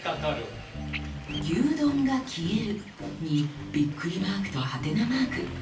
「牛丼が消える」にびっくりマークとはてなマーク。